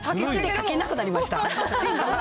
かけなくなりました。